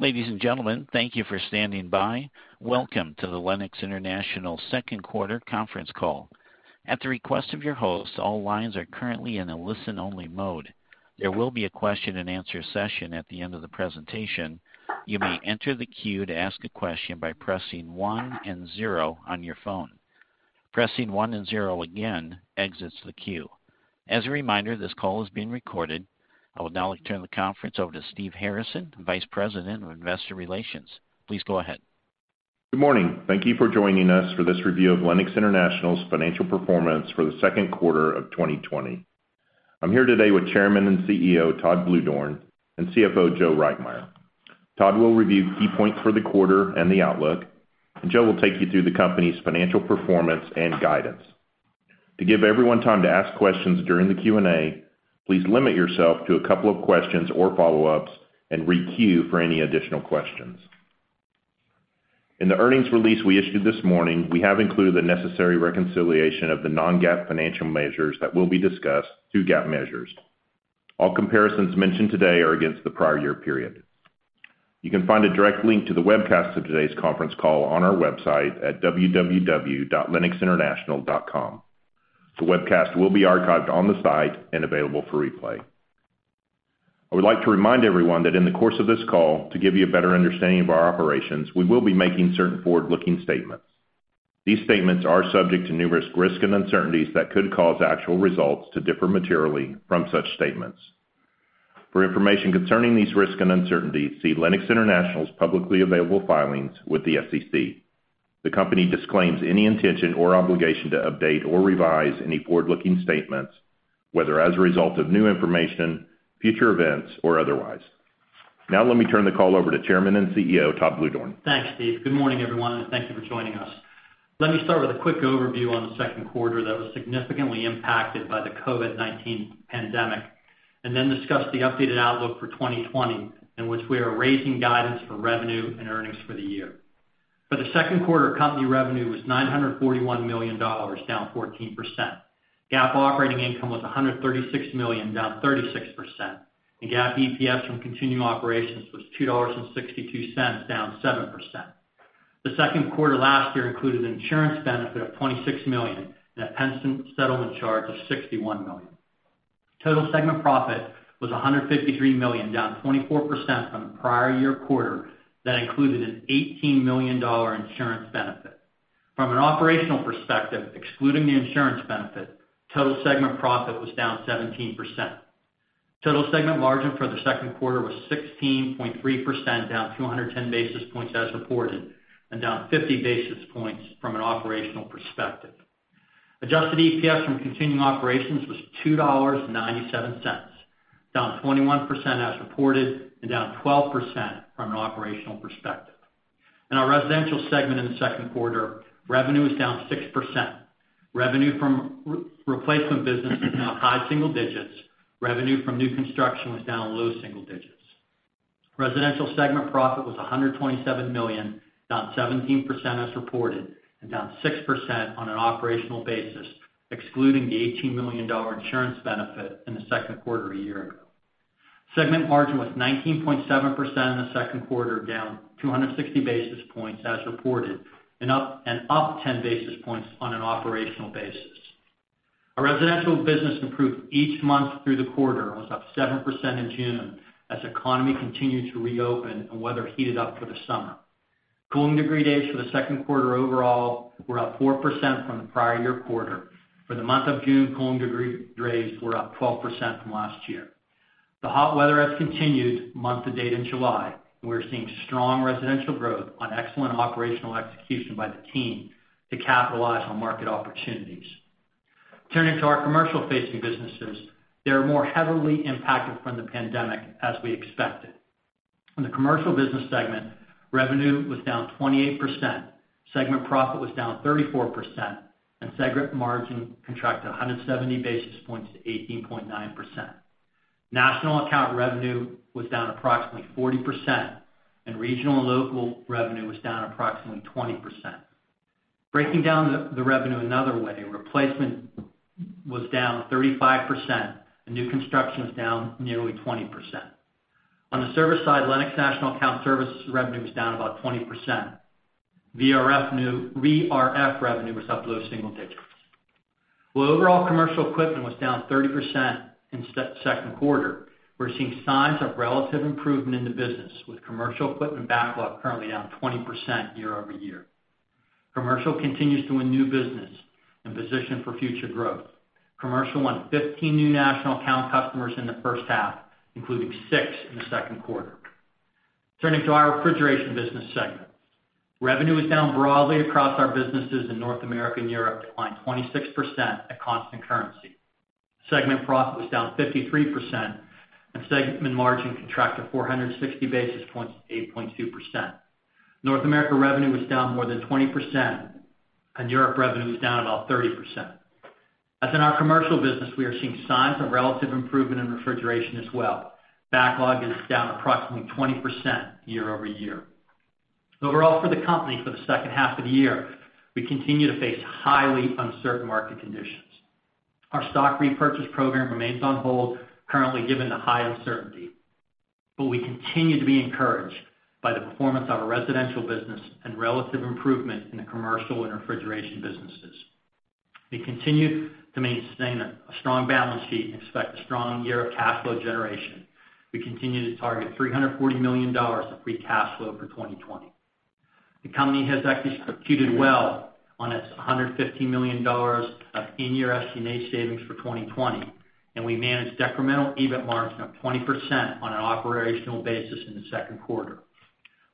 Ladies and gentlemen, thank you for standing by. Welcome to the Lennox International second quarter conference call. At the request of your host, all lines are currently in a listen-only mode. There will be a question and answer session at the end of the presentation. You may enter the queue to ask a question by pressing one and zero on your phone. Pressing one and zero again exits the queue. As a reminder, this call is being recorded. I would now like to turn the conference over to Steve Harrison, Vice President of Investor Relations. Please go ahead. Good morning. Thank you for joining us for this review of Lennox International's financial performance for the second quarter of 2020. I'm here today with Chairman and CEO, Todd Bluedorn, and CFO, Joseph Reitmeier. Todd will review key points for the quarter and the outlook. Joe will take you through the company's financial performance and guidance. To give everyone time to ask questions during the Q&A, please limit yourself to a couple of questions or follow-ups and re-queue for any additional questions. In the earnings release we issued this morning, we have included the necessary reconciliation of the non-GAAP financial measures that will be discussed to GAAP measures. All comparisons mentioned today are against the prior year period. You can find a direct link to the webcast of today's conference call on our website at www.lennoxinternational.com. The webcast will be archived on the site and available for replay. I would like to remind everyone that in the course of this call, to give you a better understanding of our operations, we will be making certain forward-looking statements. These statements are subject to numerous risks and uncertainties that could cause actual results to differ materially from such statements. For information concerning these risks and uncertainties, see Lennox International's publicly available filings with the SEC. The company disclaims any intention or obligation to update or revise any forward-looking statements, whether as a result of new information, future events, or otherwise. Let me turn the call over to Chairman and CEO, Todd Bluedorn. Thanks, Steve. Good morning, everyone, and thank you for joining us. Let me start with a quick overview on the second quarter that was significantly impacted by the COVID-19 pandemic. Then discuss the updated outlook for 2020, in which we are raising guidance for revenue and earnings for the year. For the second quarter, company revenue was $941 million, down 14%. GAAP operating income was $136 million, down 36%, and GAAP EPS from continuing operations was $2.62, down 7%. The second quarter last year included an insurance benefit of $26 million and a pension settlement charge of $61 million. Total segment profit was $153 million, down 24% from the prior year quarter that included an $18 million insurance benefit. From an operational perspective, excluding the insurance benefit, total segment profit was down 17%. Total segment margin for the second quarter was 16.3%, down 210 basis points as reported, and down 50 basis points from an operational perspective. Adjusted EPS from continuing operations was $2.97, down 21% as reported and down 12% from an operational perspective. In our residential segment in the second quarter, revenue was down 6%. Revenue from replacement business was down high single digits. Revenue from new construction was down low single digits. Residential segment profit was $127 million, down 17% as reported, and down 6% on an operational basis, excluding the $18 million insurance benefit in the second quarter a year ago. Segment margin was 19.7% in the second quarter, down 260 basis points as reported, and up 10 basis points on an operational basis. Our residential business improved each month through the quarter and was up 7% in June as the economy continued to reopen and weather heated up for the summer. Cooling degree days for the second quarter overall were up 4% from the prior year quarter. For the month of June, cooling degree days were up 12% from last year. The hot weather has continued month to date in July, and we're seeing strong residential growth on excellent operational execution by the team to capitalize on market opportunities. Turning to our commercial-facing businesses, they are more heavily impacted from the pandemic, as we expected. In the Commercial Business Segment, revenue was down 28%, segment profit was down 34%, and segment margin contracted 170 basis points to 18.9%. National account revenue was down approximately 40%, and regional and local revenue was down approximately 20%. Breaking down the revenue another way, replacement was down 35% and new construction was down nearly 20%. On the service side, Lennox National Account service revenue was down about 20%. VRF revenue was up low single digits. While overall commercial equipment was down 30% in second quarter, we're seeing signs of relative improvement in the business with commercial equipment backlog currently down 20% year-over-year. Commercial continues to win new business and position for future growth. Commercial won 15 new National Account customers in the first half, including six in the second quarter. Turning to our refrigeration business segment. Revenue was down broadly across our businesses in North America and Europe, declined 26% at constant currency. Segment profit was down 53%, and segment margin contracted 460 basis points to 8.2%. North America revenue was down more than 20%, and Europe revenue was down about 30%. As in our commercial business, we are seeing signs of relative improvement in refrigeration as well. Backlog is down approximately 20% year-over-year. Overall for the company, for the second half of the year, we continue to face highly uncertain market conditions. Our stock repurchase program remains on hold currently given the high uncertainty. We continue to be encouraged by the performance of our residential business and relative improvement in the commercial and refrigeration businesses. We continue to maintain a strong balance sheet and expect a strong year of cash flow generation. We continue to target $340 million of free cash flow for 2020. The company has executed well on its $150 million of in-year SG&A savings for 2020, and we managed decremental EBIT margin of 20% on an operational basis in the second quarter.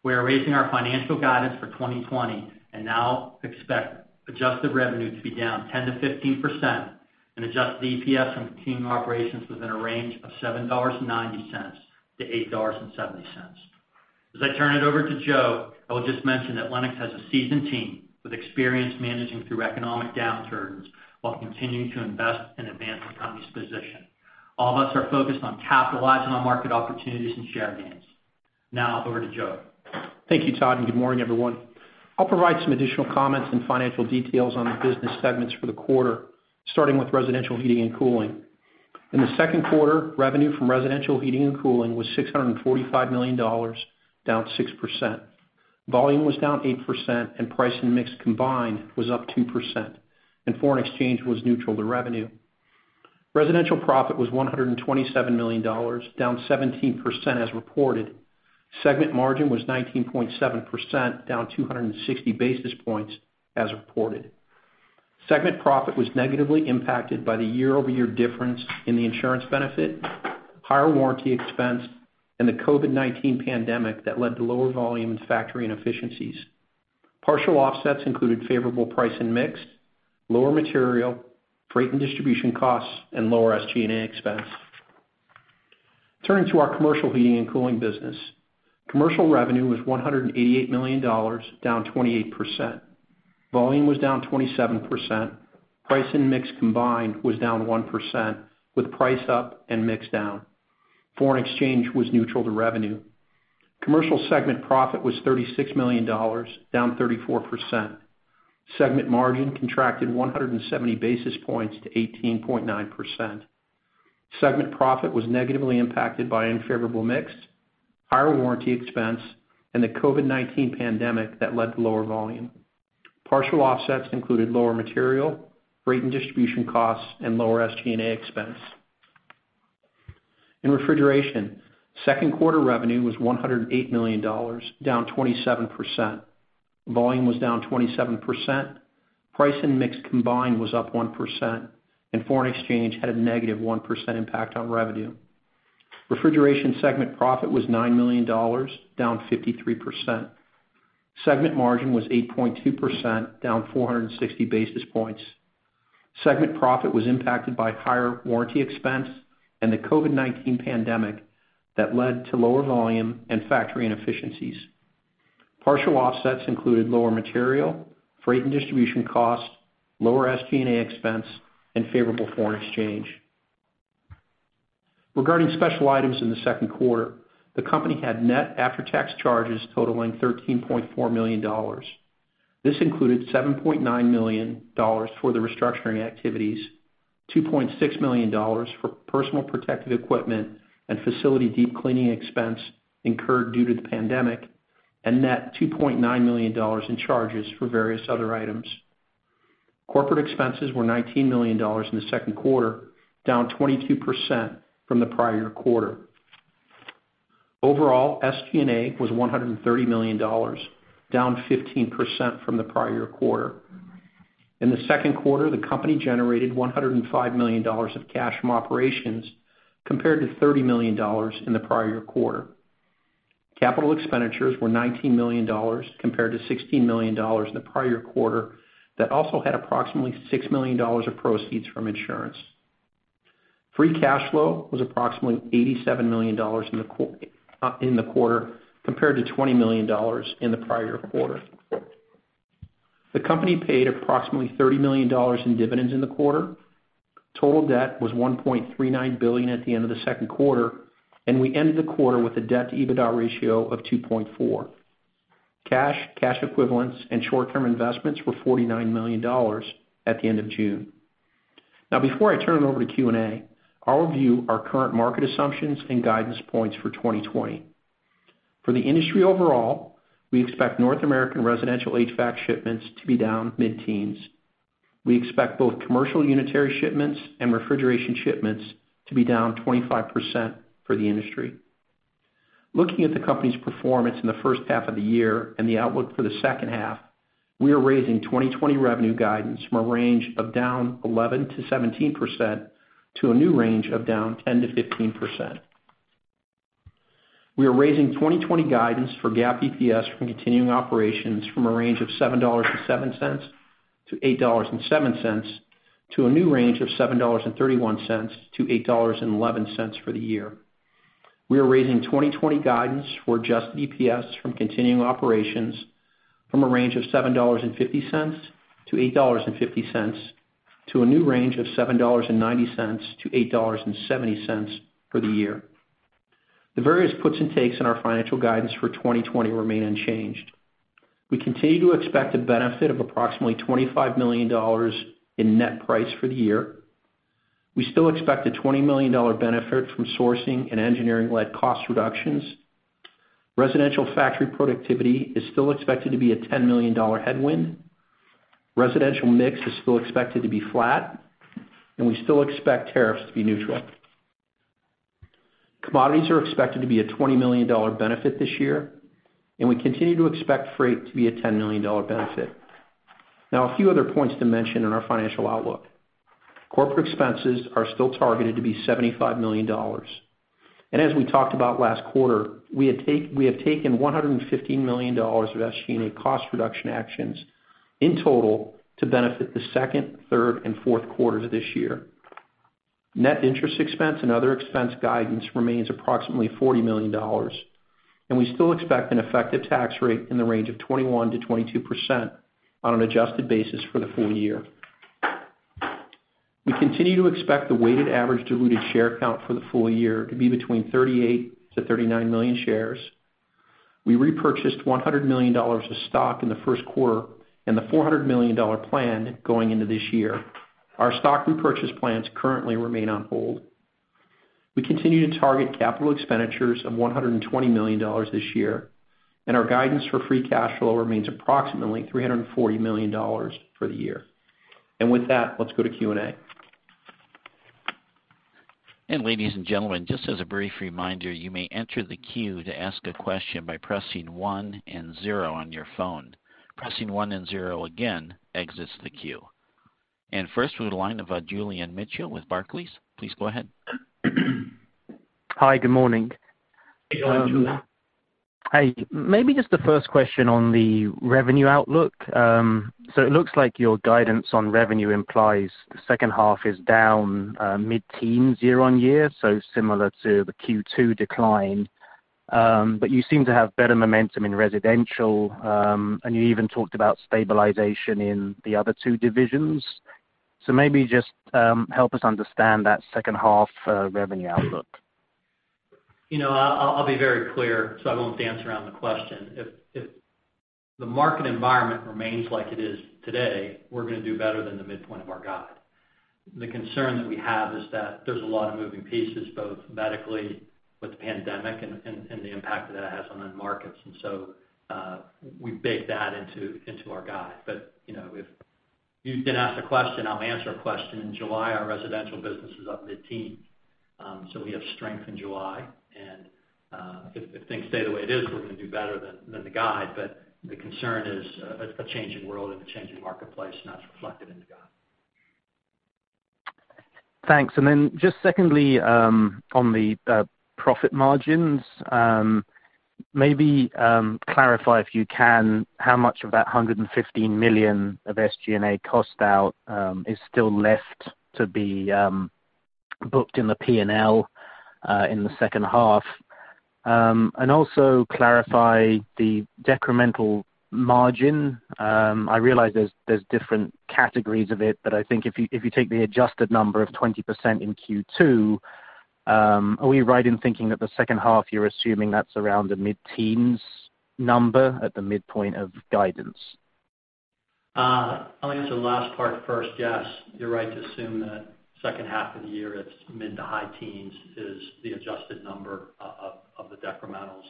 We are raising our financial guidance for 2020 and now expect adjusted revenue to be down 10%-15% and adjusted EPS from continuing operations within a range of $7.90-$8.70. As I turn it over to Joe, I will just mention that Lennox has a seasoned team with experience managing through economic downturns while continuing to invest and advance the company's position. All of us are focused on capitalizing on market opportunities and share gains. Over to Joe. Thank you, Todd. Good morning, everyone. I'll provide some additional comments and financial details on the business segments for the quarter, starting with residential heating and cooling. In the second quarter, revenue from residential heating and cooling was $645 million, down 6%. Volume was down 8%, and price and mix combined was up 2%, and foreign exchange was neutral to revenue. Residential profit was $127 million, down 17% as reported. Segment margin was 19.7%, down 260 basis points as reported. Segment profit was negatively impacted by the year-over-year difference in the insurance benefit, higher warranty expense, and the COVID-19 pandemic that led to lower volume and factory inefficiencies. Partial offsets included favorable price and mix, lower material, freight and distribution costs, and lower SG&A expense. Turning to our commercial heating and cooling business. Commercial revenue was $188 million, down 28%. Volume was down 27%. Price and mix combined was down 1%, with price up and mix down. Foreign exchange was neutral to revenue. Commercial segment profit was $36 million, down 34%. Segment margin contracted 170 basis points to 18.9%. Segment profit was negatively impacted by unfavorable mix, higher warranty expense, and the COVID-19 pandemic that led to lower volume. Partial offsets included lower material, freight and distribution costs, and lower SG&A expense. In Refrigeration, second quarter revenue was $108 million, down 27%. Volume was down 27%. Price and mix combined was up 1%, and foreign exchange had a negative 1% impact on revenue. Refrigeration segment profit was $9 million, down 53%. Segment margin was 8.2%, down 460 basis points. Segment profit was impacted by higher warranty expense and the COVID-19 pandemic that led to lower volume and factory inefficiencies. Partial offsets included lower material, freight and distribution cost, lower SG&A expense, and favorable foreign exchange. Regarding special items in the second quarter, the company had net after-tax charges totaling $13.4 million. This included $7.9 million for the restructuring activities, $2.6 million for personal protective equipment and facility deep cleaning expense incurred due to the pandemic, and net $2.9 million in charges for various other items. Corporate expenses were $19 million in the second quarter, down 22% from the prior quarter. Overall, SG&A was $130 million, down 15% from the prior quarter. In the second quarter, the company generated $105 million of cash from operations, compared to $30 million in the prior quarter. Capital expenditures were $19 million, compared to $16 million in the prior quarter, that also had approximately $6 million of proceeds from insurance. Free cash flow was approximately $87 million in the quarter, compared to $20 million in the prior quarter. The company paid approximately $30 million in dividends in the quarter. Total debt was $1.39 billion at the end of the second quarter, and we ended the quarter with a debt-to-EBITDA ratio of 2.4. Cash, cash equivalents, and short-term investments were $49 million at the end of June. Before I turn it over to Q&A, I'll review our current market assumptions and guidance points for 2020. For the industry overall, we expect North American residential HVAC shipments to be down mid-teens. We expect both commercial unitary shipments and refrigeration shipments to be down 25% for the industry. Looking at the company's performance in the first half of the year and the outlook for the second half, we are raising 2020 revenue guidance from a range of down 11%-17% to a new range of down 10%-15%. We are raising 2020 guidance for GAAP EPS from continuing operations from a range of $7.07-$8.07 to a new range of $7.31-$8.11 for the year. We are raising 2020 guidance for adjusted EPS from continuing operations from a range of $7.50-$8.50 to a new range of $7.90-$8.70 for the year. The various puts and takes in our financial guidance for 2020 remain unchanged. We continue to expect a benefit of approximately $25 million in net price for the year. We still expect a $20 million benefit from sourcing and engineering-led cost reductions. Residential factory productivity is still expected to be a $10 million headwind. Residential mix is still expected to be flat. We still expect tariffs to be neutral. Commodities are expected to be a $20 million benefit this year. We continue to expect freight to be a $10 million benefit. Now, a few other points to mention in our financial outlook. Corporate expenses are still targeted to be $75 million. As we talked about last quarter, we have taken $115 million of SG&A cost reduction actions in total to benefit the second, third, and fourth quarters of this year. Net interest expense and other expense guidance remains approximately $40 million. We still expect an effective tax rate in the range of 21%-22% on an adjusted basis for the full year. We continue to expect the weighted average diluted share count for the full year to be between 38-39 million shares. We repurchased $100 million of stock in the first quarter and the $400 million plan going into this year. Our stock repurchase plans currently remain on hold. We continue to target capital expenditures of $120 million this year. Our guidance for free cash flow remains approximately $340 million for the year. With that, let's go to Q&A. Ladies and gentlemen, just as a brief reminder, you may enter the queue to ask a question by pressing one and zero on your phone. Pressing one and zero again exits the queue. First we have the line of Julian Mitchell with Barclays. Please go ahead. Hi. Good morning. Good morning, Julian. Hi. Maybe just the first question on the revenue outlook. It looks like your guidance on revenue implies the second half is down mid-teens year-on-year, similar to the Q2 decline. You seem to have better momentum in residential, and you even talked about stabilization in the other two divisions. Maybe just help us understand that second half revenue outlook. I'll be very clear so I won't dance around the question. If the market environment remains like it is today, we're going to do better than the midpoint of our guide. The concern that we have is that there's a lot of moving pieces, both medically with the pandemic and the impact that it has on end markets. We baked that into our guide. You did ask a question, I'll answer a question. In July, our residential business is up mid-teen. We have strength in July, and if things stay the way it is, we're going to do better than the guide, but the concern is a changing world and a changing marketplace, and that's reflected in the guide. Thanks. Secondly, on the profit margins, maybe clarify if you can, how much of that $115 million of SG&A cost out is still left to be booked in the P&L in the second half? Clarify the decremental margin? I realize there's different categories of it, but I think if you take the adjusted number of 20% in Q2, are we right in thinking that the second half, you're assuming that's around the mid-teens number at the midpoint of guidance? I'll answer the last part first. Yes, you're right to assume that second half of the year, it's mid-to-high teens is the adjusted number of the decrementals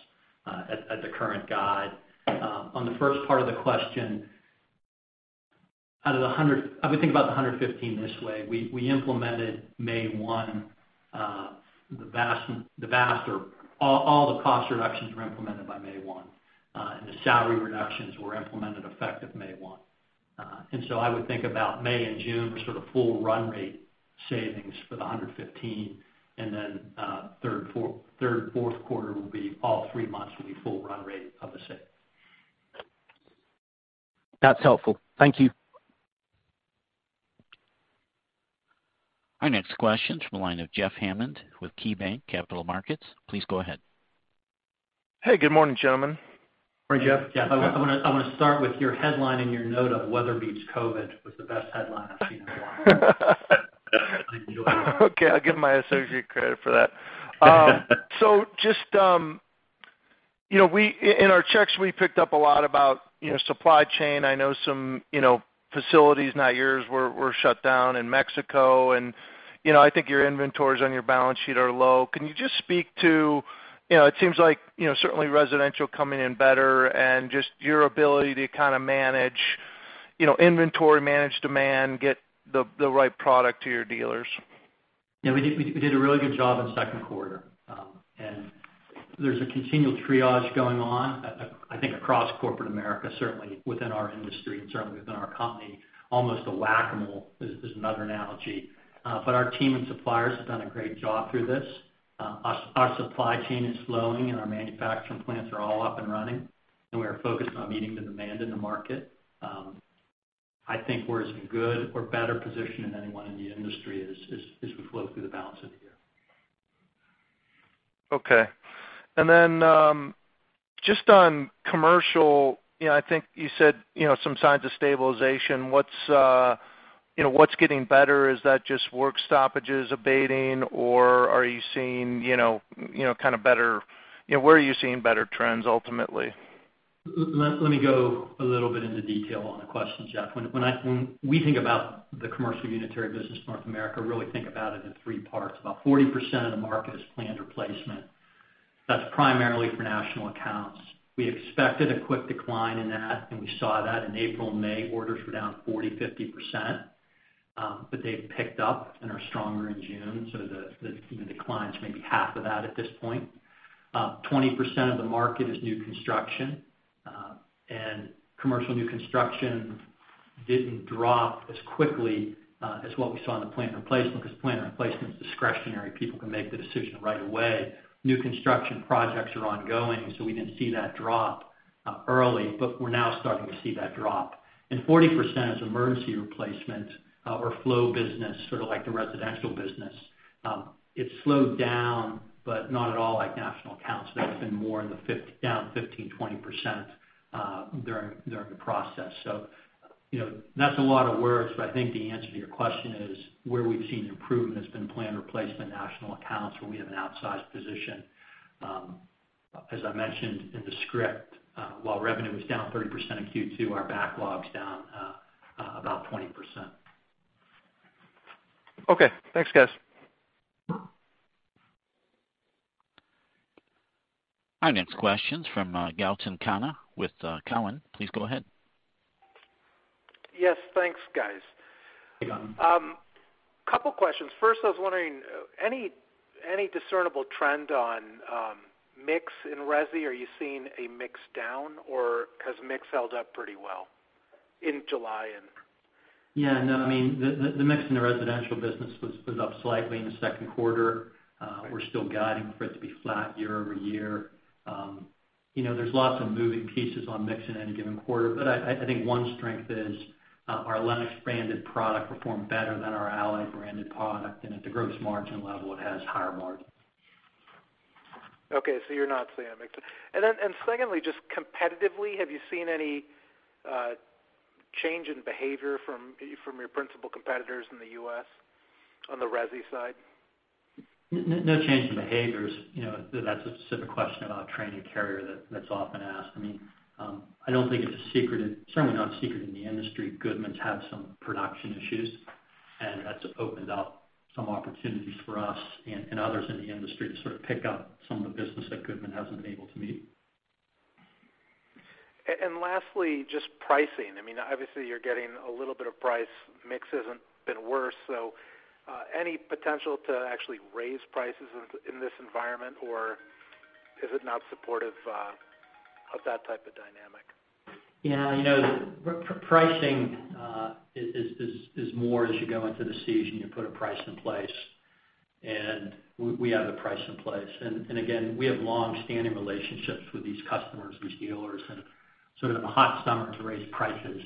at the current guide. On the first part of the question, I would think about the $115 this way. We implemented May 1. All the cost reductions were implemented by May 1, and the salary reductions were implemented effective May 1. I would think about May and June were sort of full run rate savings for the $115, and then third, fourth quarter will be all three months will be full run rate of a save. That's helpful. Thank you. Our next question is from the line of Jeff Hammond with KeyBanc Capital Markets. Please go ahead. Hey, good morning, gentlemen. Morning, Jeff. Jeff, I want to start with your headline and your note of weather meets COVID was the best headline I've seen in a while. I enjoyed that. Okay, I'll give my associate credit for that. Just in our checks, we picked up a lot about supply chain. I know some facilities, not yours, were shut down in Mexico, and I think your inventories on your balance sheet are low. It seems like certainly residential coming in better and just your ability to kind of manage inventory, manage demand, get the right product to your dealers. Yeah, we did a really good job in the second quarter. There's a continual triage going on, I think, across corporate America, certainly within our industry and certainly within our company, almost a whack-a-mole is another analogy. Our team and suppliers have done a great job through this. Our supply chain is flowing and our manufacturing plants are all up and running, and we are focused on meeting the demand in the market. I think we're as good or better positioned than anyone in the industry as we flow through the balance of the year. Okay. Just on commercial, I think you said some signs of stabilization. What's getting better? Is that just work stoppages abating or where are you seeing better trends ultimately? Let me go a little bit into detail on the question, Jeff. When we think about the commercial unitary business in North America, really think about it in three parts. About 40% of the market is planned replacement. That's primarily for national accounts. We expected a quick decline in that, and we saw that in April, May, orders were down 40%-50%, but they've picked up and are stronger in June, so the decline's maybe half of that at this point. 20% of the market is new construction, and commercial new construction didn't drop as quickly as what we saw in the planned replacement because planned replacement's discretionary. People can make the decision right away. New construction projects are ongoing, so we didn't see that drop early, but we're now starting to see that drop. 40% is emergency replacement or flow business, sort of like the residential business. It slowed down, not at all like national accounts. That's been more down 15%-20% during the process. That's a lot of words, but I think the answer to your question is where we've seen improvement has been planned replacement, national accounts, where we have an outsized position. As I mentioned in the script, while revenue was down 30% in Q2, our backlog's down about 20%. Okay, thanks guys. Our next question's from Gautam Khanna with Cowen. Please go ahead. Yes, thanks guys. Hey, Gautam. Couple questions. First, I was wondering, any discernible trend on mix in resi? Are you seeing a mix down, or has mix held up pretty well in July? Yeah, no, the mix in the residential business was up slightly in the second quarter. We're still guiding for it to be flat year-over-year. There's lots of moving pieces on mix in any given quarter, but I think one strength is our Lennox branded product performed better than our Allied branded product, and at the gross margin level, it has higher margin. Okay, you're not seeing a mix. Secondly, just competitively, have you seen any change in behavior from your principal competitors in the U.S. on the resi side? No change in behaviors. That's a specific question about Trane, Carrier that's often asked. I don't think it's a secret, it's certainly not secret in the industry, Goodman's had some production issues, and that's opened up some opportunities for us and others in the industry to sort of pick up some of the business that Goodman hasn't been able to meet. Lastly, just pricing. Obviously you're getting a little bit of price, mix has been worse, any potential to actually raise prices in this environment? Is it not supportive of that type of dynamic? Yeah. Pricing is more as you go into the season, you put a price in place, and we have a price in place. Again, we have long standing relationships with these customers, these dealers. In a hot summer to raise prices,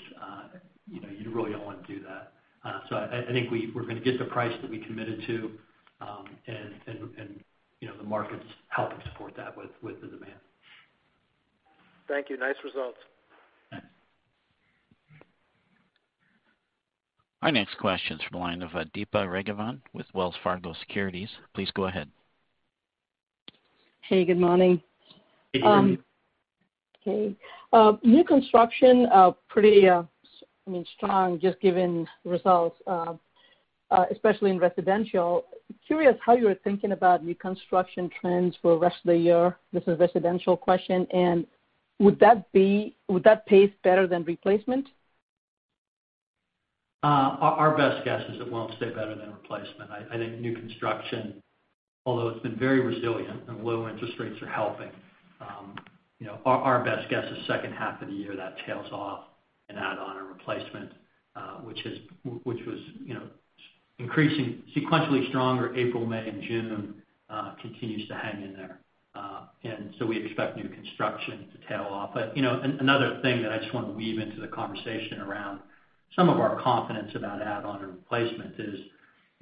you really don't want to do that. I think we're going to get the price that we committed to, and the market's helping support that with the demand. Thank you. Nice results. Thanks. Our next question's from the line of Deepa Raghavan with Wells Fargo Securities. Please go ahead. Hey, good morning. Hey. Okay. New construction, pretty strong just given results, especially in residential. Curious how you're thinking about new construction trends for rest of the year. This is a residential question, would that pace better than replacement? Our best guess is it won't stay better than replacement. I think new construction, although it's been very resilient and low interest rates are helping, our best guess is second half of the year that tails off and add on a replacement, which was increasing sequentially stronger April, May, and June, continues to hang in there. We expect new construction to tail off. Another thing that I just want to weave into the conversation around some of our confidence about add-on and replacement is,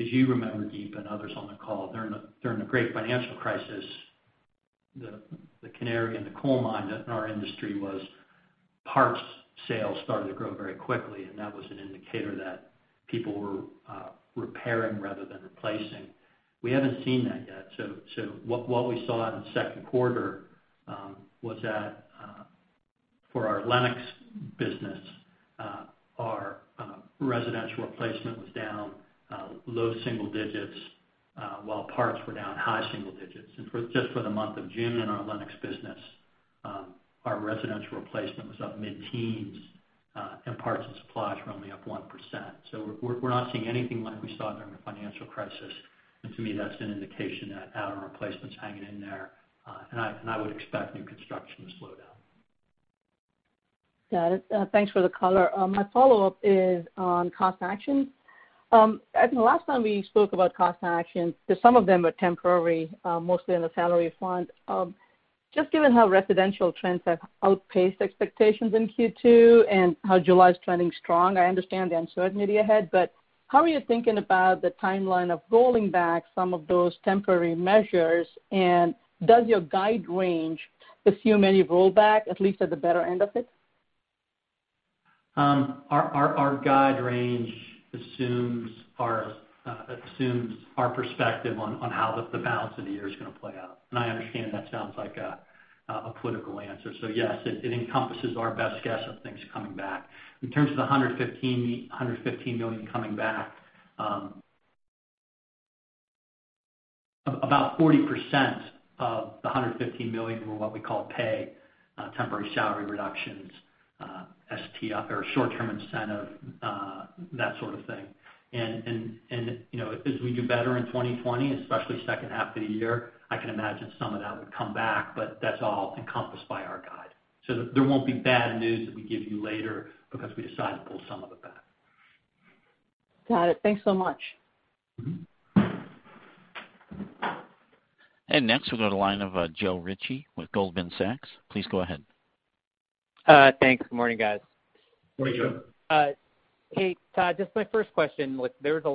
as you remember, Deepa, and others on the call, during the great financial crisis, the canary in the coal mine in our industry was parts sales started to grow very quickly, and that was an indicator that people were repairing rather than replacing. We haven't seen that yet. What we saw in the second quarter was that for our Lennox business, our residential replacement was down low single digits, while parts were down high single digits. Just for the month of June in our Lennox business, our residential replacement was up mid-teens, and parts and supplies were only up 1%. We're not seeing anything like we saw during the financial crisis, and to me, that's an indication that add-on replacement's hanging in there. I would expect new construction to slow down. Got it. Thanks for the color. My follow-up is on cost actions. I think the last time we spoke about cost actions, because some of them are temporary, mostly on the salary front. Just given how residential trends have outpaced expectations in Q2 and how July's trending strong, I understand the uncertainty ahead, but how are you thinking about the timeline of rolling back some of those temporary measures, and does your guide range assume any rollback, at least at the better end of it? Our guide range assumes our perspective on how the balance of the year is going to play out. I understand that sounds like a political answer. Yes, it encompasses our best guess of things coming back. In terms of the $115 million coming back. About 40% of the $115 million were what we call pay, temporary salary reductions, STI or short-term incentive, that sort of thing. As we do better in 2020, especially second half of the year, I can imagine some of that would come back, but that's all encompassed by our guide. There won't be bad news that we give you later because we decided to pull some of it back. Got it. Thanks so much. Next we go to the line of Joe Ritchie with Goldman Sachs. Please go ahead. Thanks. Good morning, guys. Morning, Joe. Hey, Todd. Just my first question. There's been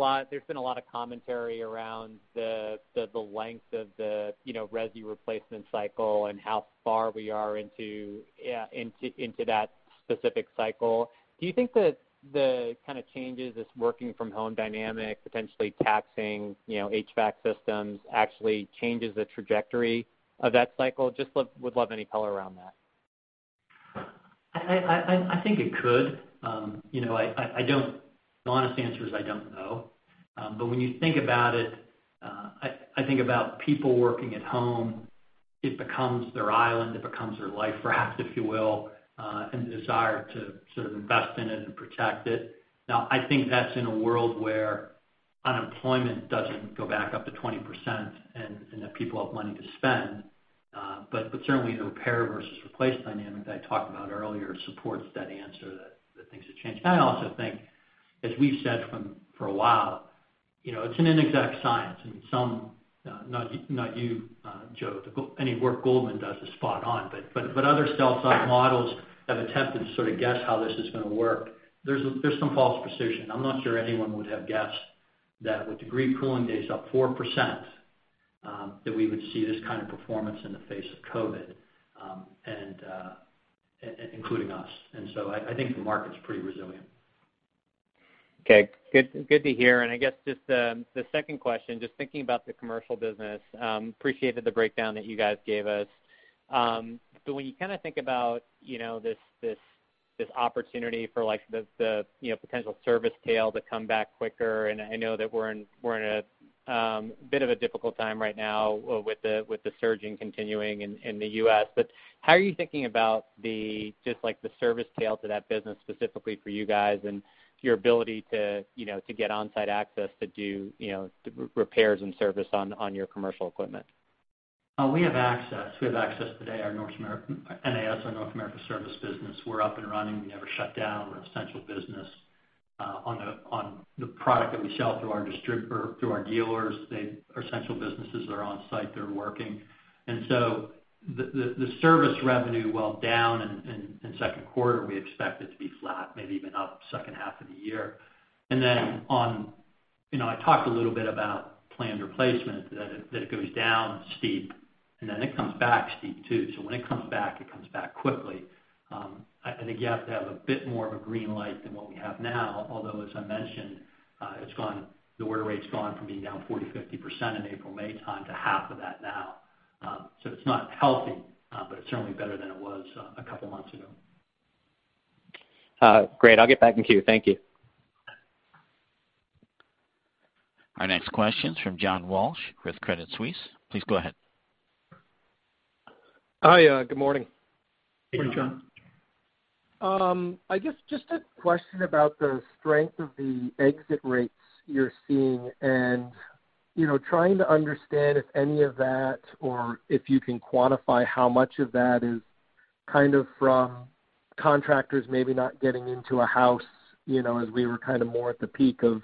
a lot of commentary around the length of the resi replacement cycle and how far we are into that specific cycle. Do you think that the kind of changes, this working from home dynamic, potentially taxing HVAC systems, actually changes the trajectory of that cycle? Just would love any color around that. I think it could. The honest answer is I don't know. When you think about it, I think about people working at home. It becomes their island. It becomes their life, perhaps, if you will, and the desire to sort of invest in it and protect it. Now, I think that's in a world where unemployment doesn't go back up to 20% and that people have money to spend. Certainly the repair versus replace dynamic that I talked about earlier supports that answer that things have changed. I also think, as we've said for a while, it's an inexact science. Some, not you, Joe, any work Goldman does is spot on. Other sell-side models have attempted to sort of guess how this is going to work. There's some false precision. I'm not sure anyone would have guessed that with degree cooling days up 4%, that we would see this kind of performance in the face of COVID, including us. I think the market's pretty resilient. Okay. Good to hear. I guess just the second question, just thinking about the commercial business, appreciated the breakdown that you guys gave us. When you kind of think about this opportunity for the potential service tail to come back quicker, and I know that we're in a bit of a difficult time right now with the surging continuing in the U.S., how are you thinking about just the service tail to that business specifically for you guys and your ability to get on-site access to do repairs and service on your commercial equipment? We have access. We have access today, our NAS, our North America service business. We're up and running. We never shut down. We're an essential business. On the product that we sell through our distributors, through our dealers, they are essential businesses. They're on site. They're working. The service revenue, while down in second quarter, we expect it to be flat, maybe even up second half of the year. I talked a little bit about planned replacement, that it goes down steep, and then it comes back steep too. When it comes back, it comes back quickly. I think you have to have a bit more of a green light than what we have now, although, as I mentioned, the order rate's gone from being down 40%, 50% in April, May time to half of that now. It's not healthy, but it's certainly better than it was a couple of months ago. Great. I'll get back in queue. Thank you. Our next question is from John Walsh with Credit Suisse. Please go ahead. Hi. Good morning. Morning, John. I guess just a question about the strength of the exit rates you're seeing and trying to understand if any of that or if you can quantify how much of that is kind of from contractors maybe not getting into a house as we were kind of more at the peak of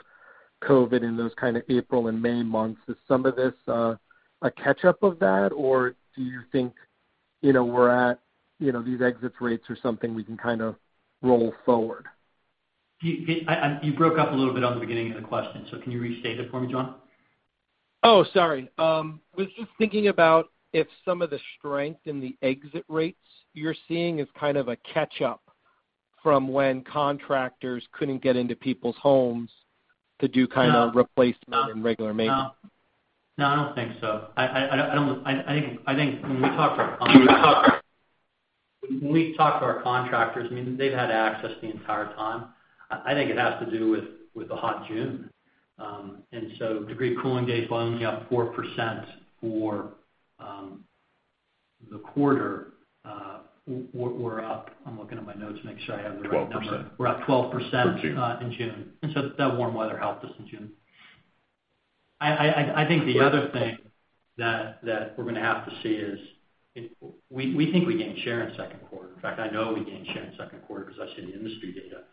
COVID in those kind of April and May months. Is some of this a catch-up of that, or do you think these exit rates are something we can kind of roll forward? You broke up a little bit on the beginning of the question, so can you restate it for me, John? Oh, sorry. Was just thinking about if some of the strength in the exit rates you're seeing is kind of a catch-up from when contractors couldn't get into people's homes to do kind of replacement and regular maintenance? No, I don't think so. I think when we talk to our contractors, I mean, they've had access the entire time. I think it has to do with the hot June. Degree cooling days were only up 4% for the quarter. I'm looking at my notes to make sure I have the right number. 12%. We're up 12%. For June. in June. The warm weather helped us in June. I think the other thing that we're going to have to see is we think we gained share in the second quarter. In fact, I know we gained share in the second quarter because I've seen the industry data.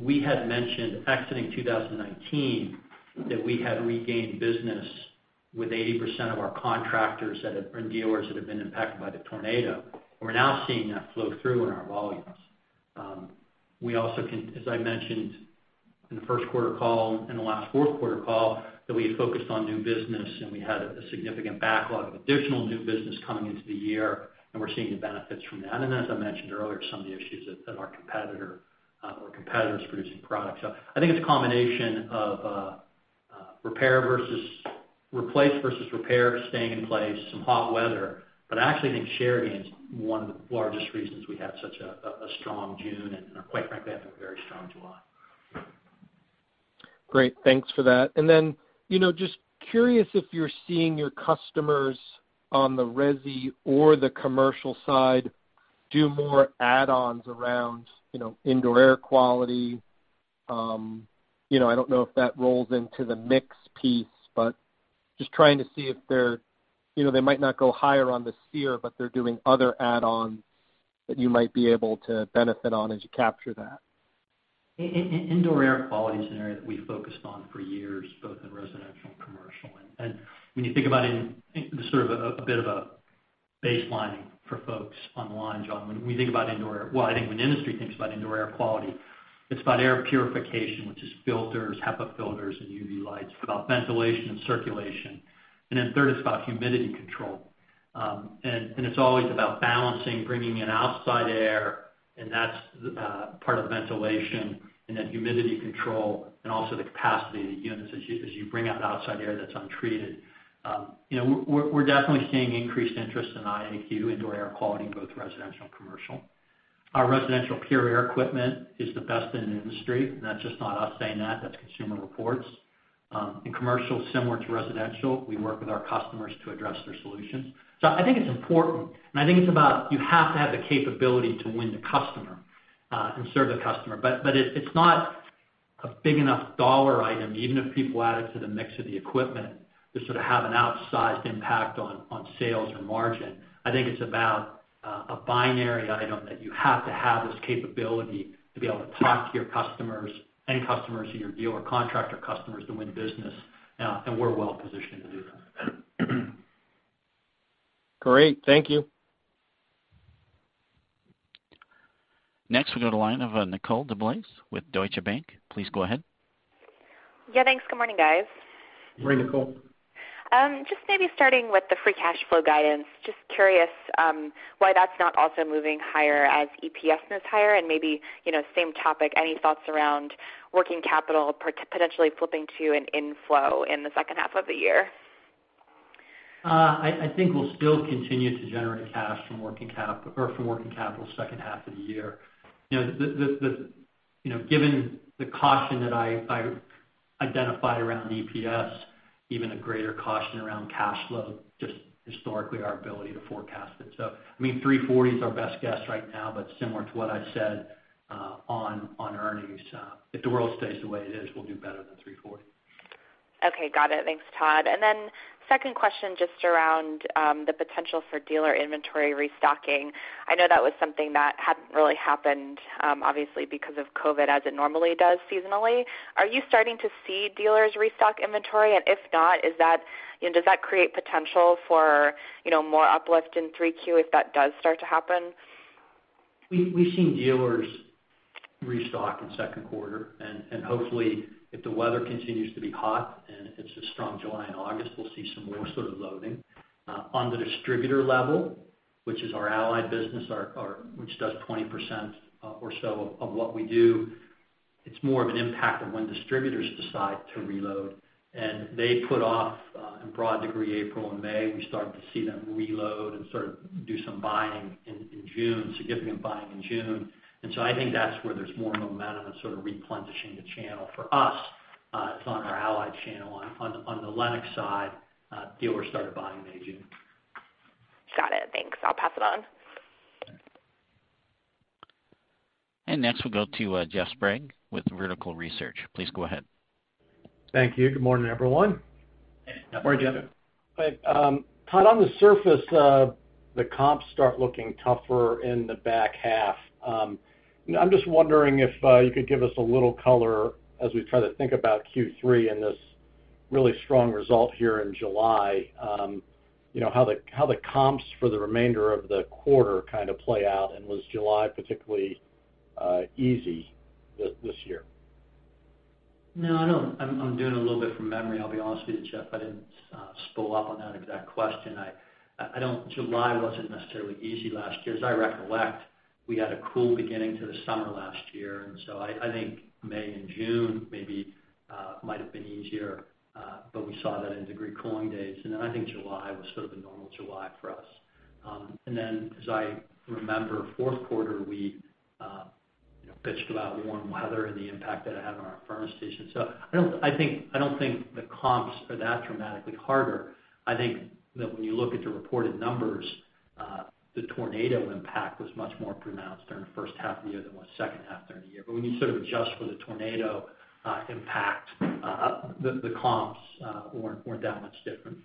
We had mentioned exiting 2019 that we had regained business with 80% of our contractors or dealers that have been impacted by the tornado. We're now seeing that flow through in our volumes. As I mentioned in the first quarter call and the last fourth quarter call, we had focused on new business, and we had a significant backlog of additional new business coming into the year, and we're seeing the benefits from that. As I mentioned earlier, some of the issues that our competitor or competitors producing products have. I think it's a combination of replace versus repair staying in place, some hot weather. I actually think share gain's one of the largest reasons we had such a strong June and, quite frankly, I think a very strong July. Great. Thanks for that. Just curious if you're seeing your customers on the resi or the commercial side do more add-ons around indoor air quality? I don't know if that rolls into the mix piece, but just trying to see if they might not go higher on the SEER, but they're doing other add-ons that you might be able to benefit on as you capture that. Indoor air quality is an area that we focused on for years, both in residential and commercial. When you think about it in sort of a bit of a baseline for folks online, John, well, I think when the industry thinks about indoor air quality, it's about air purification, which is filters, HEPA filters, and UV lights. It's about ventilation and circulation. Third, it's about humidity control. It's always about balancing, bringing in outside air, and that's part of ventilation and then humidity control and also the capacity of the units as you bring out outside air that's untreated. We're definitely seeing increased interest in IAQ, indoor air quality, in both residential and commercial. Our residential PureAir equipment is the best in the industry, that's just not us saying that's Consumer Reports. In commercial, similar to residential, we work with our customers to address their solutions. I think it's important, and I think it's about you have to have the capability to win the customer and serve the customer. It's not a big enough dollar item, even if people add it to the mix of the equipment to sort of have an outsized impact on sales or margin. I think it's about a binary item that you have to have this capability to be able to talk to your customers, end customers, your dealer, contractor customers to win business. We're well positioned to do that. Great. Thank you. Next, we go to the line of Nicole DeBlase with Deutsche Bank. Please go ahead. Yeah, thanks. Good morning, guys. Morning, Nicole. Just maybe starting with the free cash flow guidance, just curious why that's not also moving higher as EPS moves higher and maybe same topic, any thoughts around working capital potentially flipping to an inflow in the second half of the year? I think we'll still continue to generate cash from working capital second half of the year. Given the caution that I identified around EPS, even a greater caution around cash flow, just historically our ability to forecast it. $340 is our best guess right now, similar to what I said on earnings. If the world stays the way it is, we'll do better than $340. Okay. Got it. Thanks, Todd. Second question, just around the potential for dealer inventory restocking. I know that was something that hadn't really happened, obviously, because of COVID as it normally does seasonally. Are you starting to see dealers restock inventory? If not, does that create potential for more uplift in 3Q if that does start to happen? We've seen dealers restock in second quarter, and hopefully if the weather continues to be hot and it's a strong July and August, we'll see some more sort of loading. On the distributor level, which is our Allied business which does 20% or so of what we do, it's more of an impact of when distributors decide to reload. They put off in broad degree, April and May. We started to see them reload and sort of do some buying in June, significant buying in June. I think that's where there's more momentum of sort of replenishing the channel. For us, it's on our Allied channel. On the Lennox side, dealers started buying in May, June. Got it. Thanks. I'll pass it on. Next, we'll go to Jeff Sprague with Vertical Research. Please go ahead. Thank you. Good morning, everyone. Morning, Jeff. Todd, on the surface, the comps start looking tougher in the back half. I'm just wondering if you could give us a little color as we try to think about Q3 and this really strong result here in July. How the comps for the remainder of the quarter kind of play out, and was July particularly easy this year? No. I'm doing a little bit from memory, I'll be honest with you, Jeff. I didn't spool up on that exact question. July wasn't necessarily easy last year. As I recollect, we had a cool beginning to the summer last year. I think May and June maybe might have been easier. We saw that in degree cooling days. I think July was sort of a normal July for us. As I remember, fourth quarter, we bitched about warm weather and the impact that it had on our furnace season. I don't think the comps are that dramatically harder. I think that when you look at the reported numbers, the tornado impact was much more pronounced during the first half of the year than it was second half during the year. When you sort of adjust for the tornado impact, the comps weren't that much different.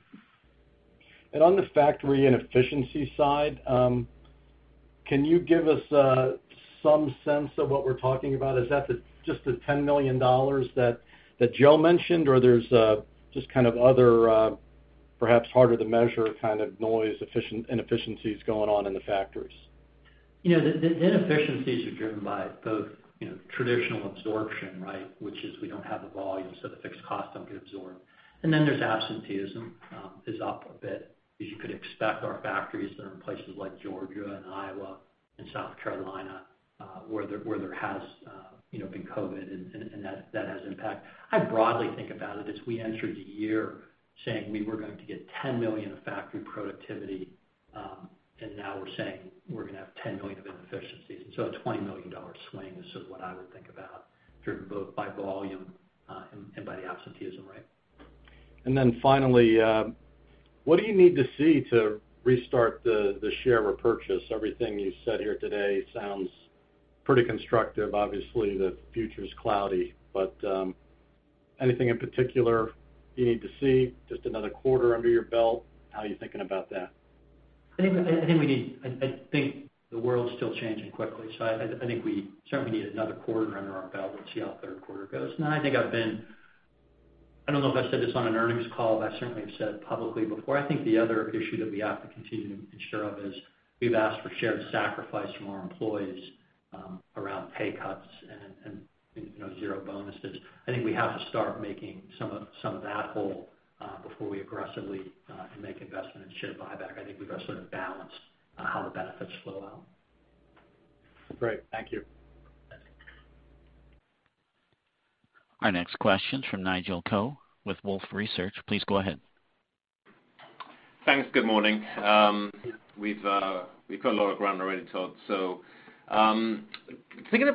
On the factory and efficiency side, can you give us some sense of what we're talking about? Is that just the $10 million that Joe mentioned? Or there's just kind of other perhaps harder to measure kind of noise inefficiencies going on in the factories? The inefficiencies are driven by both traditional absorption, which is we don't have the volume, so the fixed costs don't get absorbed. There's absenteeism is up a bit. As you could expect, our factories that are in places like Georgia and Iowa and South Carolina, where there has been COVID-19, and that has impact. I broadly think about it as we entered the year saying we were going to get $10 million of factory productivity, and now we're saying we're going to have $10 million of inefficiencies. A $20 million swing is what I would think about, driven both by volume and by the absenteeism rate. Finally, what do you need to see to restart the share repurchase? Everything you've said here today sounds pretty constructive. Obviously, the future's cloudy. Anything in particular you need to see? Just another quarter under your belt? How are you thinking about that? I think the world's still changing quickly, so I think we certainly need another quarter under our belt. We'll see how the third quarter goes. Then I think I don't know if I said this on an earnings call, but I certainly have said it publicly before. I think the other issue that we have to continue to ensure of is we've asked for shared sacrifice from our employees around pay cuts and zero bonuses. I think we have to start making some of that whole before we aggressively make investment in share buyback. I think we've got to sort of balance how the benefits flow out. Great. Thank you. Our next question's from Nigel Coe with Wolfe Research. Please go ahead. Thanks. Good morning. We've gone over a lot already, Todd. Taking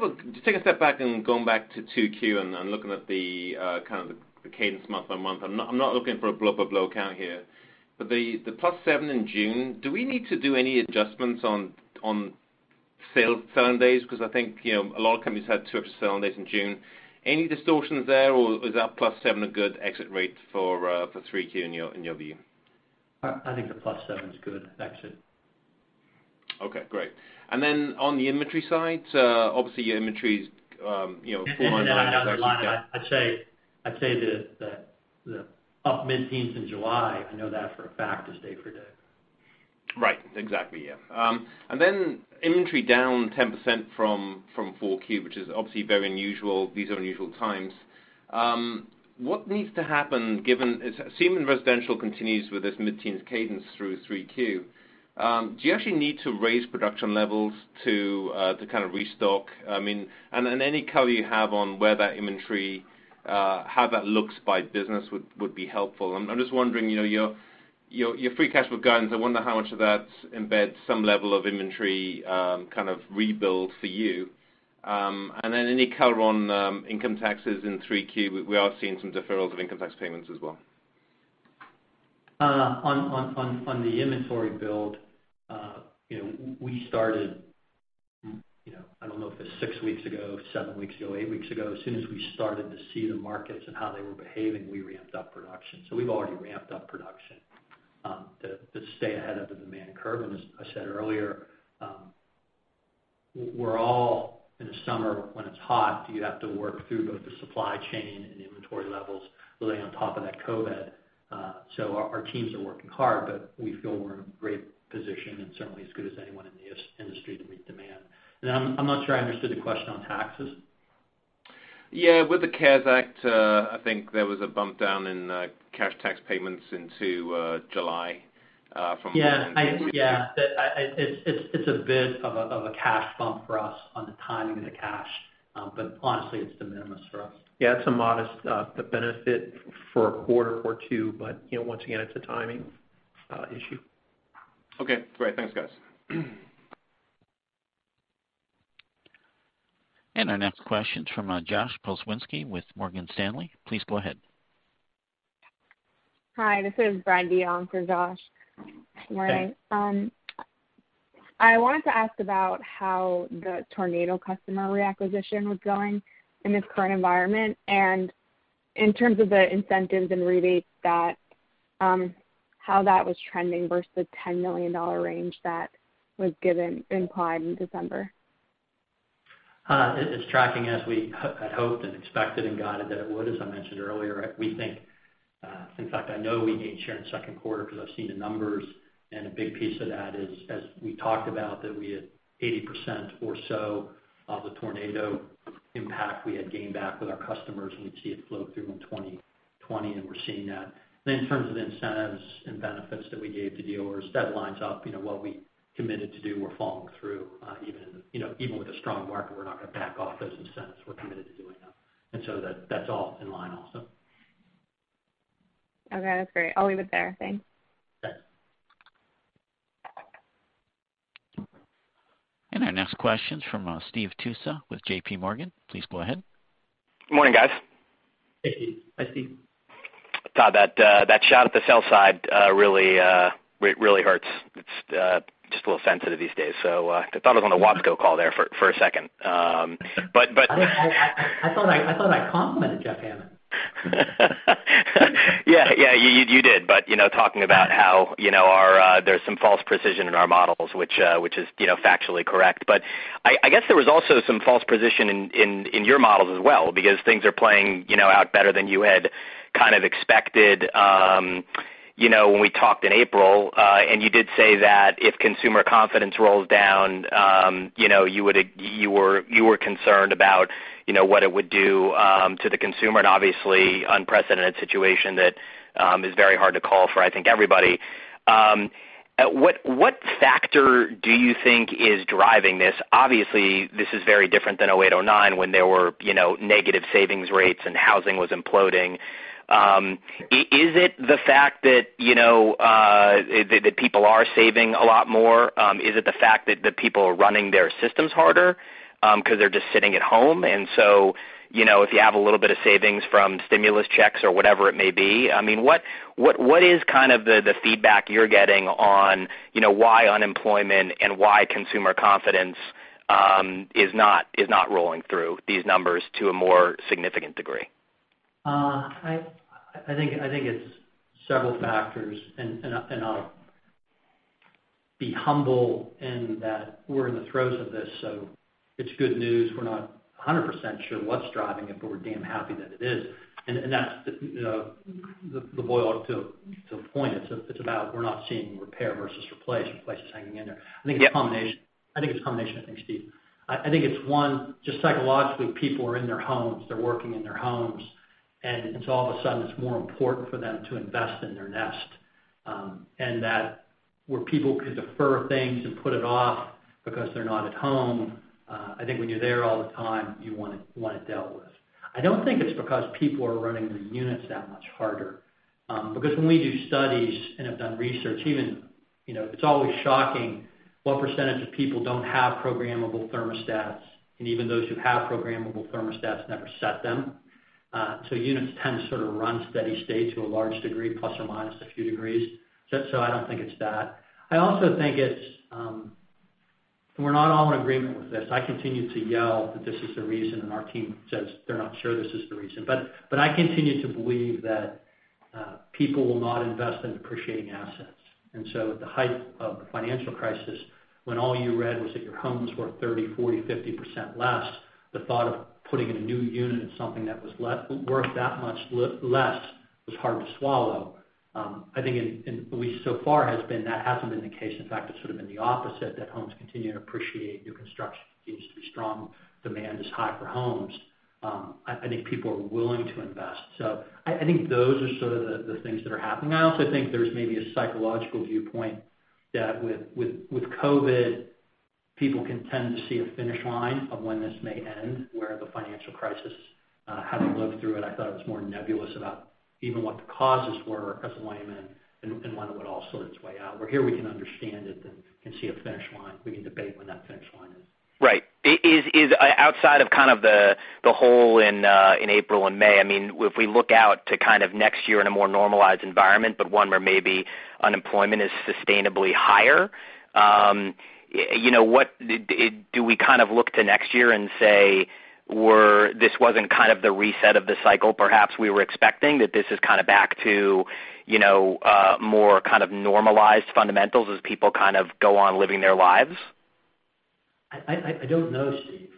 a step back and going back to 2Q and looking at the kind of the cadence month by month, I'm not looking for a blow-by-blow account here, but the +7 in June, do we need to do any adjustments on selling days? I think a lot of companies had to up selling days in June. Any distortions there, or is that +7 a good exit rate for 3Q in your view? I think the plus seven's a good exit. Okay, great. On the inventory side, obviously your inventory's, 400-. Another line item I'd say that the up mid-teens in July, I know that for a fact is day for day. Right. Exactly, yeah. Inventory down 10% from 4Q, which is obviously very unusual. These are unusual times. What needs to happen assuming residential continues with this mid-teens cadence through 3Q, do you actually need to raise production levels to kind of restock? Any color you have on where that inventory, how that looks by business would be helpful. I'm just wondering, your free cash flow guidance, I wonder how much of that embeds some level of inventory kind of rebuild for you. Any color on income taxes in 3Q? We are seeing some deferrals of income tax payments as well. On the inventory build, we started, I don't know if it's six weeks ago, seven weeks ago, eight weeks ago. As soon as we started to see the markets and how they were behaving, we ramped up production. We've already ramped up production to stay ahead of the demand curve. As I said earlier, we're all in the summer when it's hot, you have to work through both the supply chain and the inventory levels laying on top of that COVID. Our teams are working hard, but we feel we're in a great position and certainly as good as anyone in the industry to meet demand. I'm not sure I understood the question on taxes. Yeah, with the CARES Act, I think there was a bump down in cash tax payments into July. Yeah. It's a bit of a cash bump for us on the timing of the cash. Honestly, it's de minimis for us. Yeah, it's a modest benefit for a quarter or two, but once again, it's a timing issue. Okay, great. Thanks, guys. Our next question's from Josh Pokrzywinski with Morgan Stanley. Please go ahead. Hi, this is Brian Dion for Josh. Morning. Okay. I wanted to ask about how the Tornado customer reacquisition was going in this current environment, and in terms of the incentives and rebates, how that was trending versus the $10 million range that was given implied in December. It's tracking as we had hoped and expected and guided that it would, as I mentioned earlier. We think, in fact, I know we gained share in the second quarter because I've seen the numbers, and a big piece of that is, as we talked about, that we had 80% or so of the Tornado impact we had gained back with our customers, and we'd see it flow through in 2020, and we're seeing that. In terms of the incentives and benefits that we gave to dealers, that lines up. What we committed to do, we're following through. Even with a strong market, we're not going to back off those incentives. We're committed to doing that. That's all in line also. Okay, that's great. I'll leave it there. Thanks. Okay. Our next question's from Steve Tusa with J.P. Morgan. Please go ahead. Good morning, guys. Hey, Steve. Hi, Steve. Todd, that shot at the sell side really hurts. It's just a little sensitive these days. I thought I was on the WABCO call there for a second. I thought I complimented Jeff Hammond. Yeah, you did. Talking about how there's some false precision in our models, which is factually correct. I guess there was also some false precision in your models as well because things are playing out better than you had kind of expected, when we talked in April, and you did say that if consumer confidence rolls down, you were concerned about what it would do to the consumer, and obviously unprecedented situation that is very hard to call for, I think, everybody. What factor do you think is driving this? Obviously, this is very different than 2008, 2009 when there were negative savings rates and housing was imploding. Is it the fact that people are saving a lot more? Is it the fact that the people are running their systems harder because they're just sitting at home? If you have a little bit of savings from stimulus checks or whatever it may be, what is the feedback you're getting on why unemployment and why consumer confidence is not rolling through these numbers to a more significant degree? I think it's several factors, and I'll be humble in that we're in the throes of this, so it's good news. We're not 100% sure what's driving it, but we're damn happy that it is. That's the boil to a point. It's about we're not seeing repair versus replace. Replace is hanging in there. Yeah. I think it's a combination of things, Steve. I think it's one, just psychologically, people are in their homes, they're working in their homes, all of a sudden it's more important for them to invest in their nest. That where people could defer things and put it off because they're not at home, I think when you're there all the time, you want it dealt with. I don't think it's because people are running the units that much harder. When we do studies and have done research, it's always shocking what percentage of people don't have programmable thermostats, and even those who have programmable thermostats never set them. Units tend to sort of run steady state to a large degree, plus or minus a few degrees. I don't think it's that. I also think it's, we're not all in agreement with this. I continue to yell that this is the reason, and our team says they're not sure this is the reason, but I continue to believe that people will not invest in depreciating assets. At the height of the financial crisis, when all you read was that your home was worth 30%, 40%, 50% less, the thought of putting in a new unit is something that was worth that much less was hard to swallow. I think at least so far that hasn't been the case. In fact, it's sort of been the opposite, that homes continue to appreciate, new construction continues to be strong, demand is high for homes. I think people are willing to invest. I think those are sort of the things that are happening. I also think there's maybe a psychological viewpoint that with COVID, people can tend to see a finish line of when this may end, where the financial crisis, having lived through it, I thought it was more nebulous about even what the causes were, because of Lehman, and when it would all sort its way out. Where here we can understand it and can see a finish line. We can debate when that finish line is. Right. Is outside of kind of the hole in April and May, if we look out to kind of next year in a more normalized environment, but one where maybe unemployment is sustainably higher, do we kind of look to next year and say this wasn't kind of the reset of the cycle perhaps we were expecting, that this is kind of back to more kind of normalized fundamentals as people kind of go on living their lives? I don't know, Steve.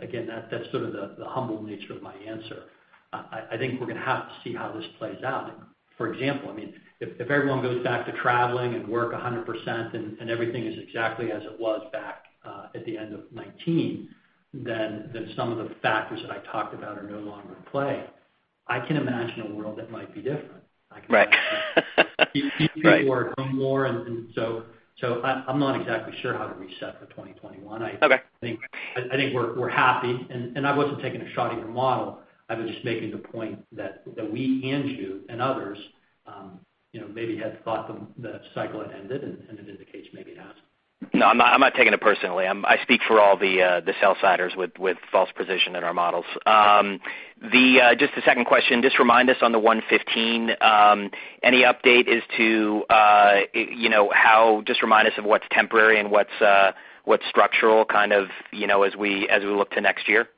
Again, that's sort of the humble nature of my answer. I think we're going to have to see how this plays out. For example, if everyone goes back to traveling and work 100% and everything is exactly as it was back at the end of 2019, some of the factors that I talked about are no longer in play. I can imagine a world that might be different. Right. Right. People are home more. I'm not exactly sure how to reset for 2021. Okay. I think we're happy. I wasn't taking a shot at your model. I was just making the point that we and you and others maybe had thought the cycle had ended, and it indicates maybe it hasn't. No, I'm not taking it personally. I speak for all the sell-siders with false precision in our models. Just the second question, just remind us on the 115, any update as to just remind us of what's temporary and what's structural kind of as we look to next year?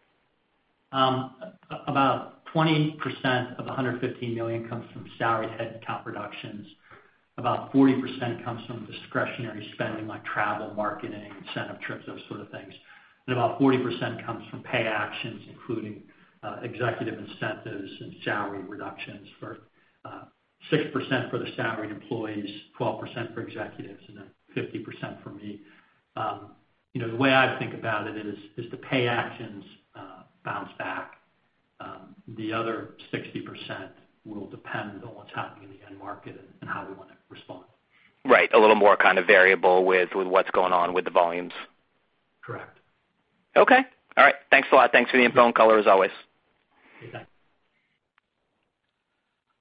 About 20% of $115 million comes from salary headcount reductions, about 40% comes from discretionary spending like travel, marketing, incentive trips, those sort of things. About 40% comes from pay actions, including executive incentives and salary reductions for 6% for the salaried employees, 12% for executives, and 50% for me. The way I think about it is the pay actions bounce back. The other 60% will depend on what's happening in the end market and how we want to respond. Right. A little more kind of variable with what's going on with the volumes. Correct. Okay. All right. Thanks a lot. Thanks for the info and color as always. You bet.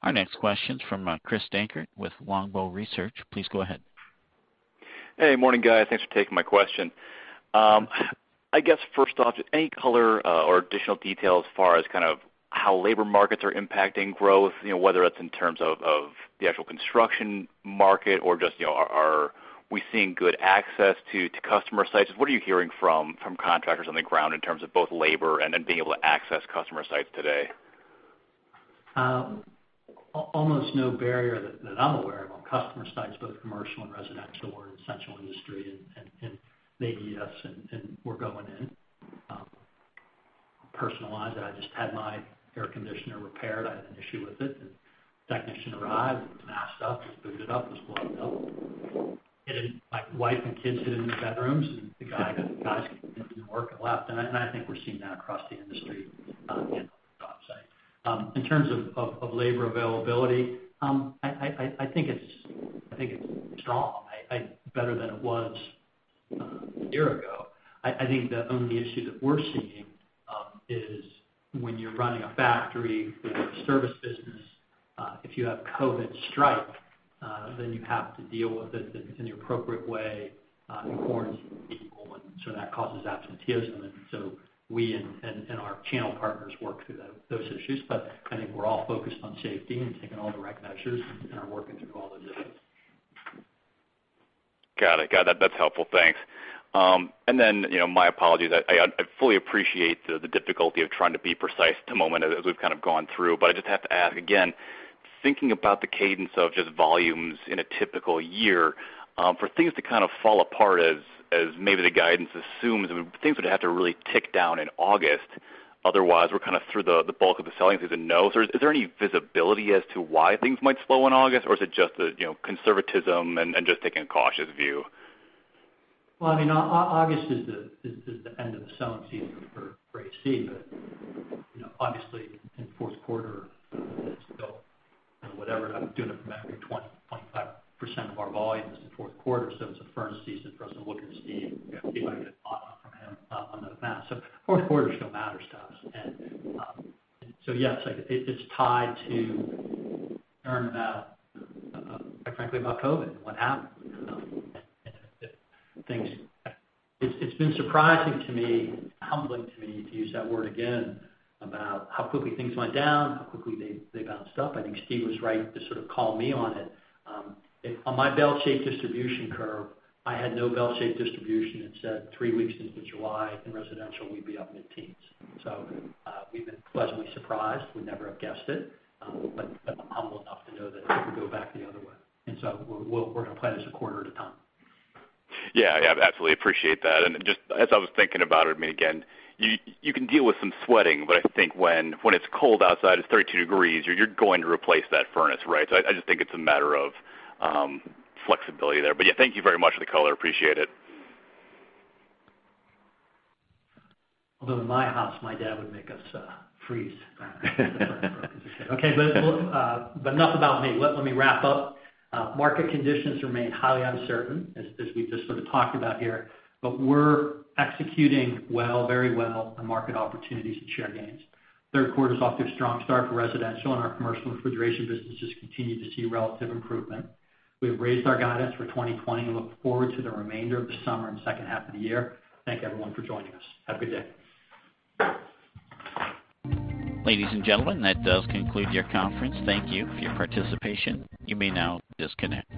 Our next question's from Chris Dankert with Longbow Research. Please go ahead. Hey, morning guys, thanks for taking my question. I guess first off, any color or additional detail as far as kind of how labor markets are impacting growth, whether that's in terms of the actual construction market or just are we seeing good access to customer sites? What are you hearing from contractors on the ground in terms of both labor and then being able to access customer sites today? Almost no barrier that I'm aware of on customer sites, both commercial and residential. We're in essential industry and they need us, and we're going in. Personalized, I just had my air conditioner repaired. I had an issue with it, and the technician arrived, was masked up, was booted up, was gloved up. My wife and kids hid in the bedrooms, and the guys came in, did the work, and left. I think we're seeing that across the industry in other job sites. In terms of labor availability, I think it's strong, better than it was a year ago. I think the only issue that we're seeing is when you're running a factory with a service business, if you have COVID strike, then you have to deal with it in the appropriate way and quarantine people, and so that causes absenteeism. We and our channel partners work through those issues. I think we're all focused on safety and taking all the right measures and are working through all those issues. Got it. Got it. That's helpful. Thanks. My apologies, I fully appreciate the difficulty of trying to be precise at the moment as we've kind of gone through. I just have to ask again, thinking about the cadence of just volumes in a typical year, for things to kind of fall apart as maybe the guidance assumes, things would have to really tick down in August. Otherwise, we're kind of through the bulk of the selling through the nose. Is there any visibility as to why things might slow in August, or is it just the conservatism and just taking a cautious view? August is the end of the selling season for AC, obviously in the fourth quarter it's still whatever, doing it from memory, 20%-25% of our volume is the fourth quarter, it's a furnace season for us to look at Steve and see what I could bought from him on the math. Fourth quarter still matters to us. Yes, it's tied to learning about, quite frankly, about COVID and what happens. It's been surprising to me, humbling to me, to use that word again, about how quickly things went down, how quickly they bounced back. I think Steve was right to sort of call me on it. On my bell-shaped distribution curve, I had no bell-shaped distribution. It said three weeks into July in residential, we'd be up mid-teens. We've been pleasantly surprised. We never have guessed it, but I'm humble enough to know that it could go back the other way. We're going to plan this a quarter at a time. Yeah. Absolutely appreciate that. Just as I was thinking about it, again, you can deal with some sweating, but I think when it's cold outside, it's 32 degrees, you're going to replace that furnace, right? I just think it's a matter of flexibility there. Yeah, thank you very much for the color. Appreciate it. Although in my house, my dad would make us freeze if the furnace broke. Okay. Enough about me. Let me wrap up. Market conditions remain highly uncertain as we've just sort of talked about here, but we're executing well, very well on market opportunities and share gains. Third quarter is off to a strong start for residential, and our commercial refrigeration businesses continue to see relative improvement. We have raised our guidance for 2020 and look forward to the remainder of the summer and second half of the year. Thank everyone for joining us. Have a good day. Ladies and gentlemen, that does conclude your conference. Thank you for your participation. You may now disconnect.